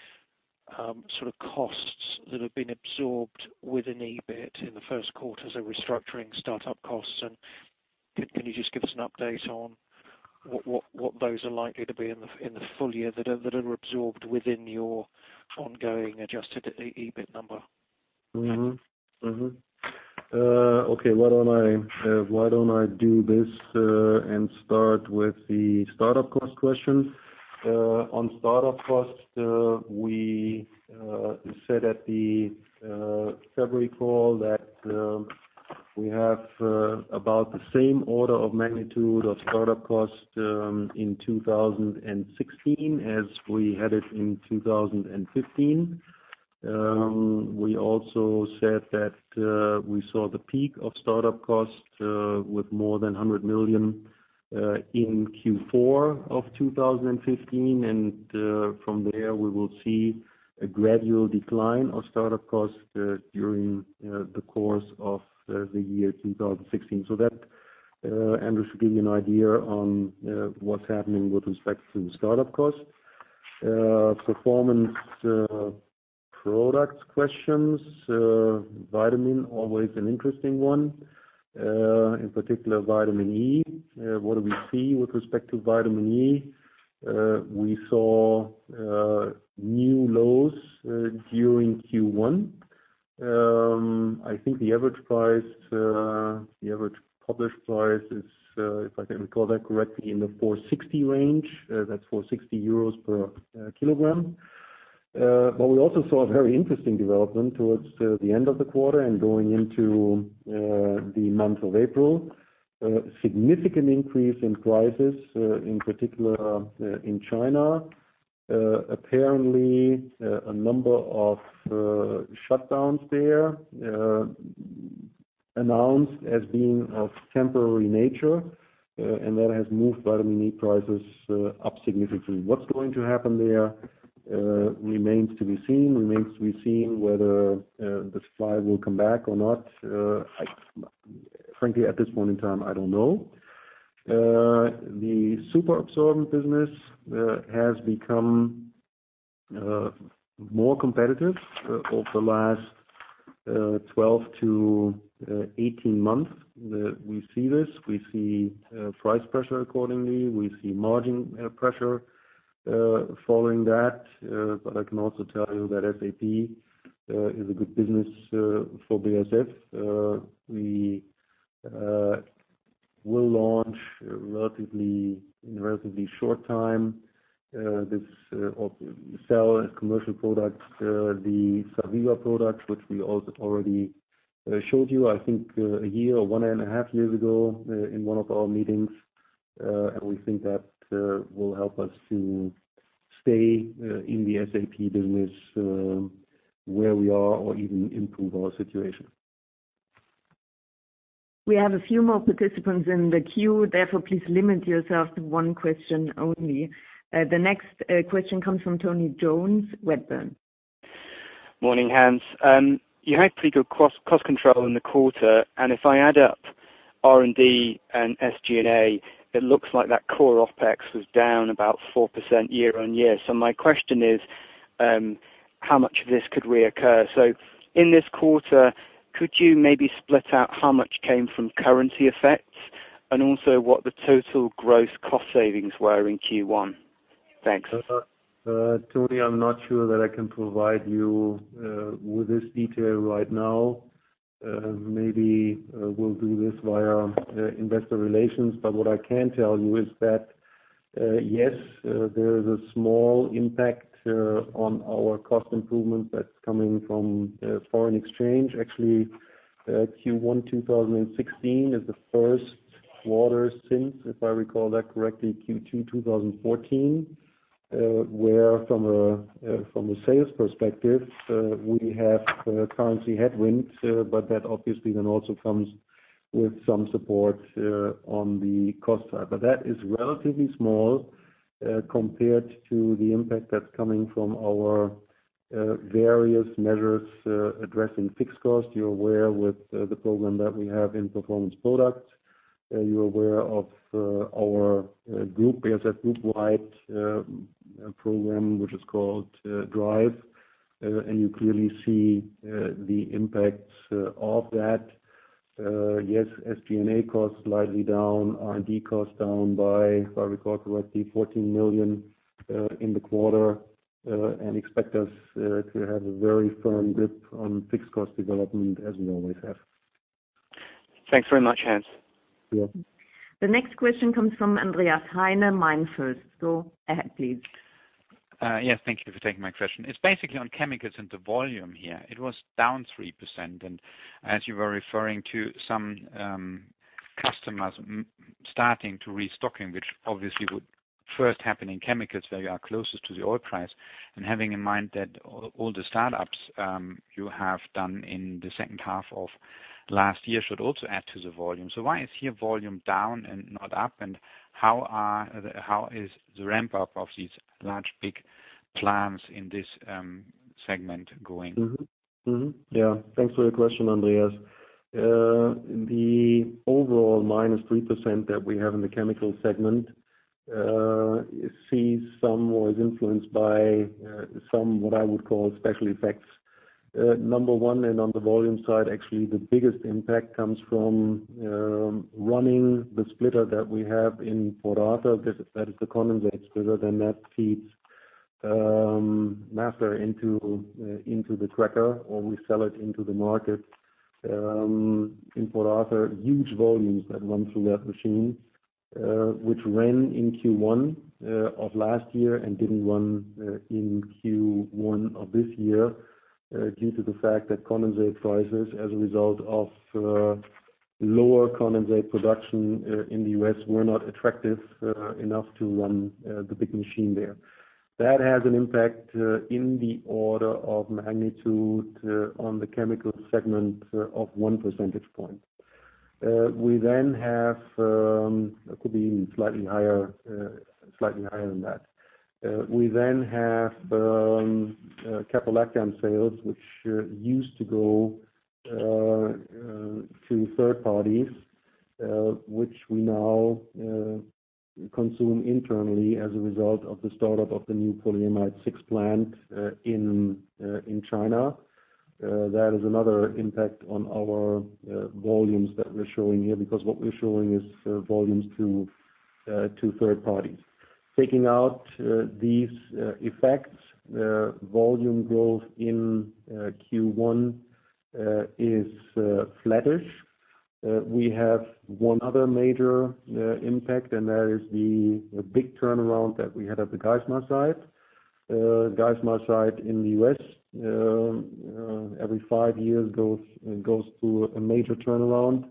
L: sort of costs that have been absorbed within EBIT in the first quarter as a restructuring start-up costs? Can you just give us an update on what those are likely to be in the full year that are absorbed within your ongoing adjusted EBIT number?
C: Okay. Why don't I do this and start with the start-up cost question? On start-up costs, we said at the February call that we have about the same order of magnitude of start-up costs in 2016 as we had it in 2015. We also said that we saw the peak of start-up costs with more than 100 million in Q4 of 2015 and from there we will see a gradual decline of start-up costs during the course of the year 2016. That, Andrew, should give you an idea on what's happening with respect to the start-up costs. Performance Products questions. Vitamin always an interesting one. In particular Vitamin E. What do we see with respect to Vitamin E? We saw new lows during Q1. I think the average price, the average published price is, if I recall that correctly, in the 460 range, that's 460 euros per kilogram. We also saw a very interesting development towards the end of the quarter and going into the month of April. Significant increase in prices, in particular, in China. Apparently, a number of shutdowns there, announced as being of temporary nature, and that has moved Vitamin E prices up significantly. What's going to happen there remains to be seen whether the supply will come back or not. Frankly, at this point in time, I don't know. The superabsorbent business has become more competitive over the last 12-18 months. We see price pressure accordingly and margin pressure following that. I can also tell you that SAP is a good business for BASF. We will launch in a relatively short time or sell as commercial products the SAVIVA products, which we already showed you, I think, a year or 1.5 years ago in one of our meetings. We think that will help us to stay in the SAP business where we are or even improve our situation.
B: We have a few more participants in the queue. Therefore, please limit yourself to one question only. The next question comes from Tony Jones, Redburn.
M: Morning, Hans. You had pretty good cost control in the quarter, and if I add up R&D and SG&A, it looks like that core OpEx was down about 4% year-over-year. My question is, how much of this could reoccur? In this quarter, could you maybe split out how much came from currency effects and also what the total gross cost savings were in Q1? Thanks.
C: Tony, I'm not sure that I can provide you with this detail right now. Maybe we'll do this via investor relations. What I can tell you is that yes, there is a small impact on our cost improvement that's coming from foreign exchange. Actually, Q1 2016 is the first quarter since, if I recall that correctly, Q2 2014, where from a sales perspective, we have currency headwinds, but that obviously then also comes with some support on the cost side. That is relatively small compared to the impact that's coming from our various measures addressing fixed cost. You're aware of the program that we have in Performance Products. You're aware of our group, BASF Group-wide, program, which is called DRIVE. You clearly see the impacts of that. Yes, SG&A costs slightly down. R&D costs down by, if I recall correctly, 14 million in the quarter. Expect us to have a very firm grip on fixed cost development as we always have.
M: Thanks very much, Hans.
C: You're welcome.
B: The next question comes from Andreas Heine, MainFirst. Go ahead, please.
N: Yes, thank you for taking my question. It's basically on chemicals and the volume here. It was down 3%. As you were referring to some customers starting to restock, which obviously would first happen in chemicals, where you are closest to the oil price. Having in mind that all the startups you have done in the second half of last year should also add to the volume. Why is here volume down and not up? How is the ramp-up of these large, big plants in this segment going?
C: Thanks for your question, Andreas. The overall -3% that we have in the chemical segment sees some or is influenced by some, what I would call special effects. Number one, on the volume side, actually, the biggest impact comes from running the splitter that we have in Port Arthur. That is the condensate splitter, and that feeds naphtha into the cracker, or we sell it into the market in Port Arthur. Huge volumes that run through that machine, which ran in Q1 of last year and didn't run in Q1 of this year due to the fact that condensate prices, as a result of lower condensate production in the U.S., were not attractive enough to run the big machine there. That has an impact in the order of magnitude on the chemical segment of 1 percentage point. It could be even slightly higher than that. We then have caprolactam sales which used to go to third parties which we now consume internally as a result of the startup of the new Polyamide 6 plant in China. That is another impact on our volumes that we're showing here because what we're showing is volumes to third parties. Taking out these effects, volume growth in Q1 is flattish. We have one other major impact, and that is the big turnaround that we had at the Geismar site. Geismar site in the U.S., every five years goes through a major turnaround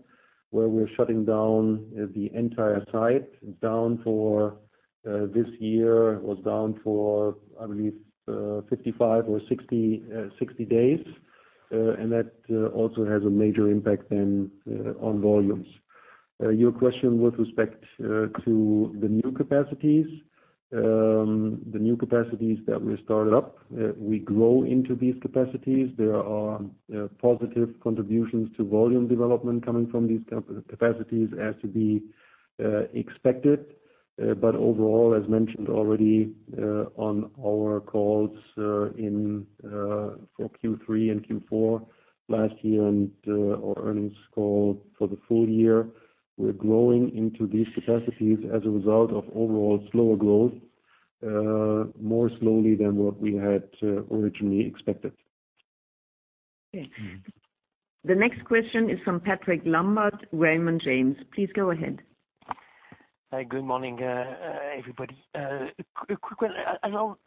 C: where we're shutting down the entire site. It was down for this year, I believe, 55 or 60 days. That also has a major impact then on volumes. Your question with respect to the new capacities. The new capacities that we started up, we grow into these capacities. There are positive contributions to volume development coming from these capacities as to be expected. Overall, as mentioned already, on our calls in Q3 and Q4 last year and our earnings call for the full year. We're growing into these capacities as a result of overall slower growth more slowly than what we had originally expected.
B: Okay. The next question is from Patrick Lambert, Raymond James. Please go ahead.
O: Hi. Good morning, everybody. Quick one. I know,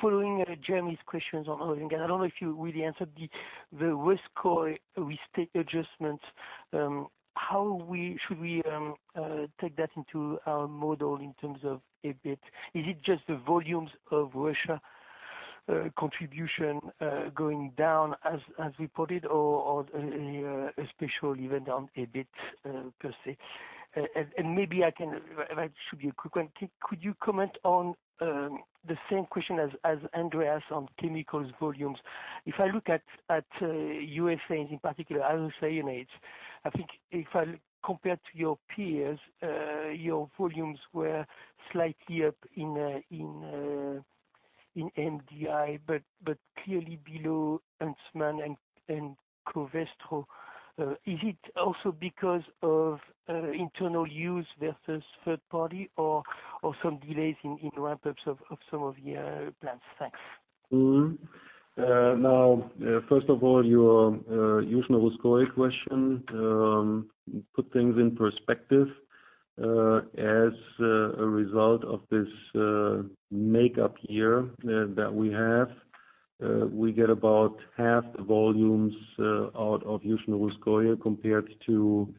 O: following Jeremy's questions on oil and gas, I don't know if you really answered the risk or risk state adjustments. Should we take that into our model in terms of EBIT? Is it just the volumes of Russia contribution going down as reported or a special event on EBIT per se? And maybe I can. That should be a quick one. Could you comment on the same question as Andreas on chemicals volumes? If I look at USA in particular, isocyanates, I think if I compared to your peers, your volumes were slightly up in MDI but clearly below Huntsman and Covestro. Is it also because of internal use versus third party or some delays in ramp-ups of some of your plants? Thanks.
C: Now, first of all, your Yuzhno-Russkoye question. Put things in perspective. As a result of this make up year that we have, we get about half the volumes out of Yuzhno-Russkoye compared to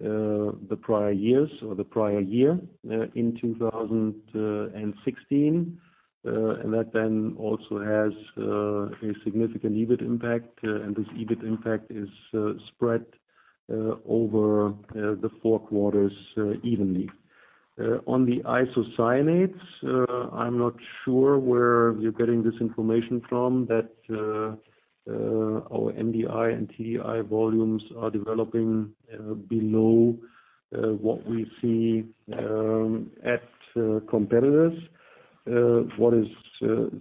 C: the prior years or the prior year in 2016. That then also has a significant EBIT impact. This EBIT impact is spread over the four quarters evenly. On the isocyanates, I'm not sure where you're getting this information from that our MDI and TDI volumes are developing below what we see at competitors. What is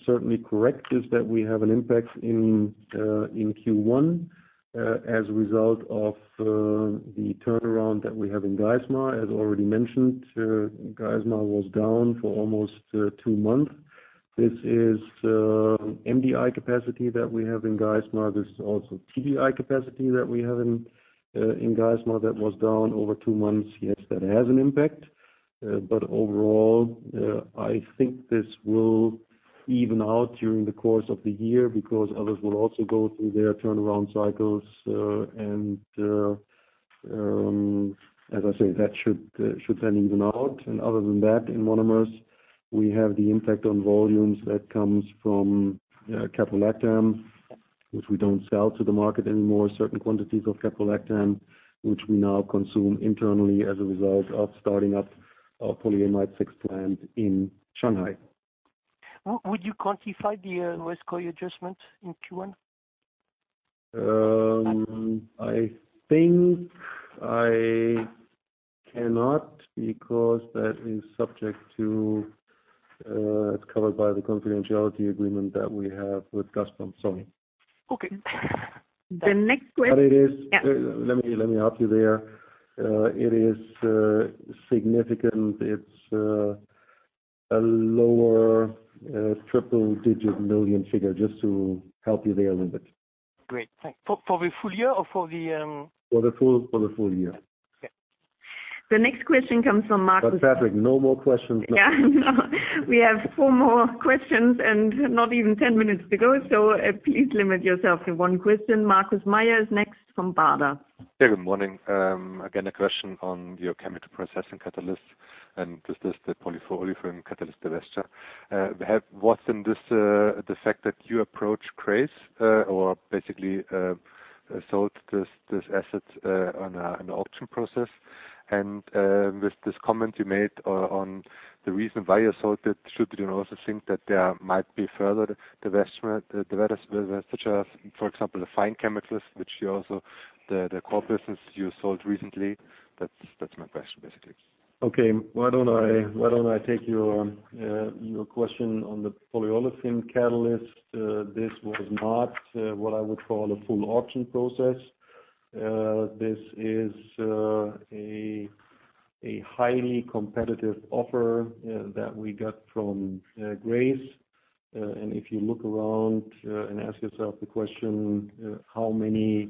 C: certainly correct is that we have an impact in Q1 as a result of the turnaround that we have in Geismar. As already mentioned, Geismar was down for almost two months. This is MDI capacity that we have in Geismar. There's also TDI capacity that we have in Geismar that was down over two months. Yes, that has an impact. Overall, I think this will even out during the course of the year because others will also go through their turnaround cycles. As I say, that should then even out. Other than that, in monomers, we have the impact on volumes that comes from caprolactam, which we don't sell to the market anymore. Certain quantities of caprolactam, which we now consume internally as a result of starting up our polyamide 6 plant in Shanghai.
O: Would you quantify the Yuzhno-Russkoye adjustment in Q1?
C: I think I cannot because that is subject to, it's covered by the confidentiality agreement that we have with Gazprom. Sorry.
O: Okay.
B: The next que-
C: It is
B: Yeah.
C: Let me help you there. It is a lower triple-digit million figure, just to help you there a little bit.
O: Great. Thank you. For the full year or for the
C: For the full year.
O: Okay.
B: The next question comes from Markus-
C: Patrick, no more questions.
B: Yeah, I know. We have four more questions and not even 10 minutes to go, so please limit yourself to one question. Markus Mayer is next from Baader.
P: Yeah. Good morning. Again, a question on your chemical processing catalyst, and this is the polyolefin catalyst divests. The fact that you approach Grace or basically sold this asset on an auction process. With this comment you made on the reason why you sold it, should we also think that there might be further divestment such as, for example, the fine chemicals, the core business you sold recently? That's my question, basically.
C: Okay. Why don't I take your question on the polyolefin catalyst? This was not what I would call a full auction process. This is a highly competitive offer that we got from Grace. If you look around and ask yourself the question, how many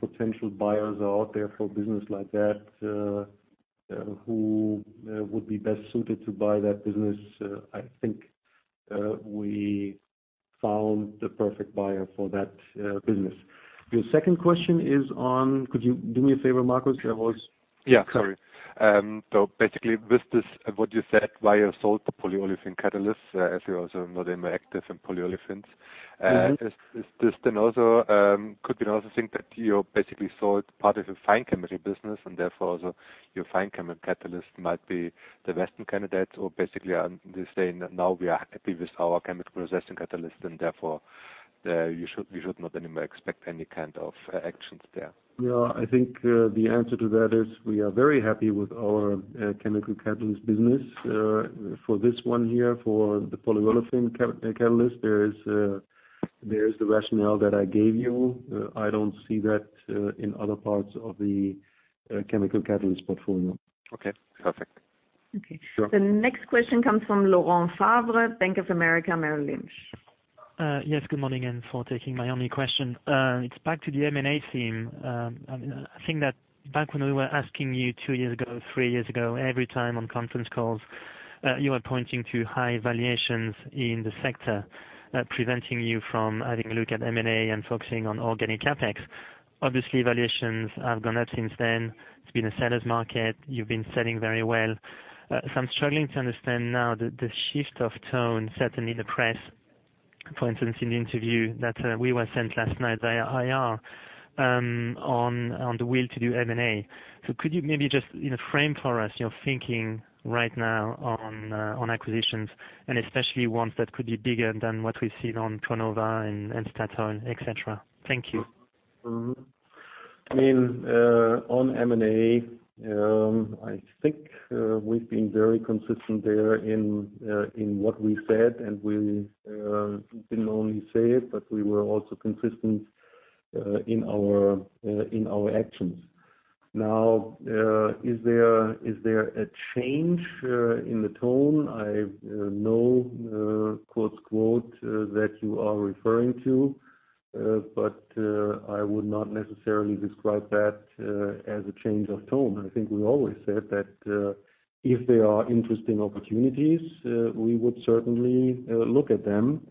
C: potential buyers are out there for business like that, who would be best suited to buy that business? I think we found the perfect buyer for that business. Your second question is on. Could you do me a favor, Markus? I was-
P: Yeah, sorry. Basically with this, what you said, why you sold the polyolefin catalyst, as you're also not active in polyolefins.
C: Mm-hmm.
P: Is this also could be another thing that you basically sold part of your fine chemistry business and therefore also your fine chemical catalyst might be the western candidate or basically are they saying that now we are happy with our chemical processing catalyst and therefore we should not anymore expect any kind of actions there.
C: No, I think the answer to that is we are very happy with our chemical catalyst business for this one here, for the polyolefin catalyst. There is the rationale that I gave you. I don't see that in other parts of the chemical catalyst portfolio.
P: Okay, perfect.
C: Sure.
B: Okay. The next question comes from Laurent Favre, Bank of America, Merrill Lynch.
Q: Yes, good morning, thank you for taking my only question. It's back to the M&A theme. I mean, I think that back when we were asking you two years ago, three years ago, every time on conference calls, you were pointing to high valuations in the sector, preventing you from having a look at M&A and focusing on organic CapEx. Obviously, valuations have gone up since then. It's been a seller's market. You've been selling very well. I'm struggling to understand now the shift of tone, certainly in the press, for instance, in the interview that we were sent last night by IR, on the will to do M&A. Could you maybe just, you know, frame for us your thinking right now on acquisitions and especially ones that could be bigger than what we've seen on Pronova and Staten, etc. Thank you.
C: I mean, on M&A, I think we've been very consistent there in what we said, and we didn't only say it, but we were also consistent in our actions. Now, is there a change in the tone? I know, quote quote, that you are referring to, but I would not necessarily describe that as a change of tone. I think we always said that if there are interesting opportunities we would certainly look at them.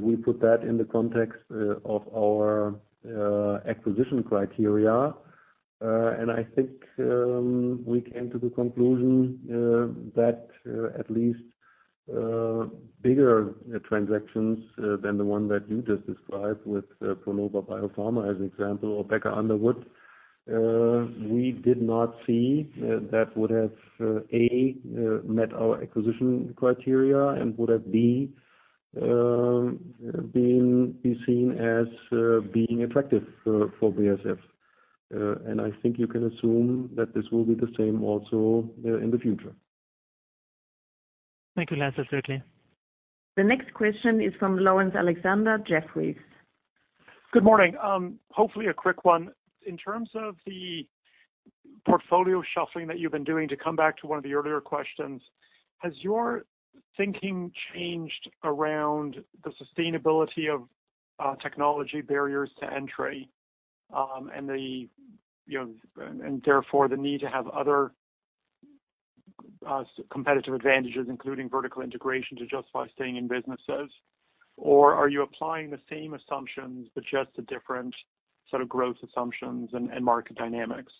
C: We put that in the context of our acquisition criteria, and I think we came to the conclusion that at least bigger transactions than the one that you just described with Pronova BioPharma, as an example, or Becker Underwood, we did not see that would have A, met our acquisition criteria and B, been seen as being attractive for BASF. I think you can assume that this will be the same also in the future.
Q: Thank you, Hans. That's certainly.
B: The next question is from Laurence Alexander, Jefferies.
F: Good morning. Hopefully a quick one. In terms of the portfolio shuffling that you've been doing, to come back to one of the earlier questions, has your thinking changed around the sustainability of technology barriers to entry, and the, you know, and therefore the need to have other competitive advantages, including vertical integration, to justify staying in businesses? Or are you applying the same assumptions but just a different sort of growth assumptions and market dynamics?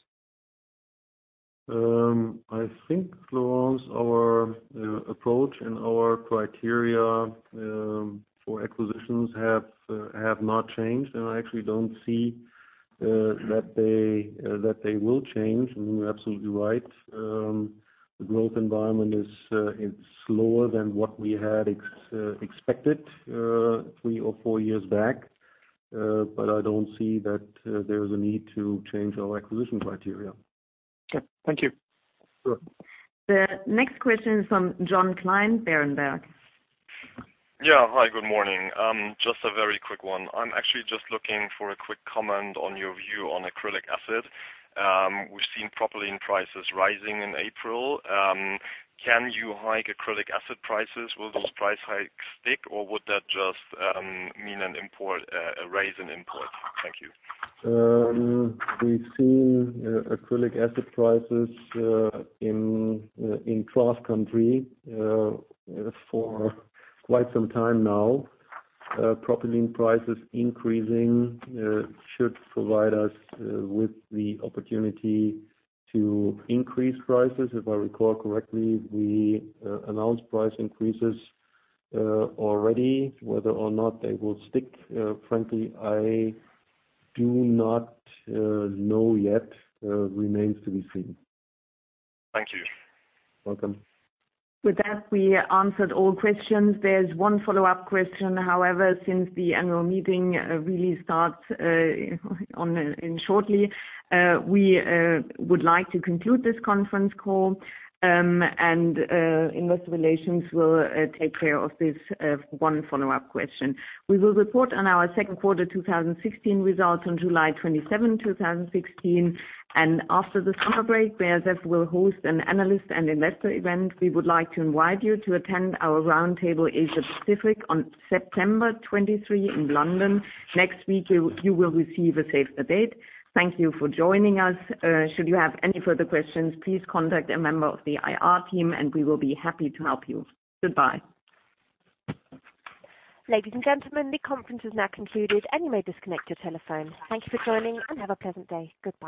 C: I think, Laurence, our approach and our criteria for acquisitions have not changed. I actually don't see that they will change. You're absolutely right. The growth environment is slower than what we had expected three or four years back. I don't see that there is a need to change our acquisition criteria.
F: Okay. Thank you.
C: Sure.
B: The next question is from John Klein, Berenberg.
R: Yeah. Hi, good morning. Just a very quick one. I'm actually just looking for a quick comment on your view on Acrylic Acid. We've seen Propylene prices rising in April. Can you hike Acrylic Acid prices? Will those price hikes stick or would that just mean an increase in imports? Thank you.
C: We've seen Acrylic Acid prices in cross-country for quite some time now. Propylene prices increasing should provide us with the opportunity to increase prices. If I recall correctly, we announced price increases already. Whether or not they will stick, frankly, I do not know yet. Remains to be seen.
R: Thank you.
C: Welcome.
B: With that, we answered all questions. There's one follow-up question. However, since the annual meeting really starts shortly, we would like to conclude this conference call, and investor relations will take care of this one follow-up question. We will report on our second quarter 2016 results on 27 July 2016. After the summer break, BASF will host an analyst and investor event. We would like to invite you to attend our Round Table Asia Pacific on September 23 in London. Next week, you will receive a save the date. Thank you for joining us. Should you have any further questions, please contact a member of the IR team, and we will be happy to help you. Goodbye.
A: Ladies and gentlemen, the conference is now concluded, and you may disconnect your telephone. Thank you for joining, and have a pleasant day. Goodbye.